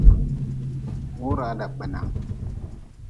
Wuraa dankpenan.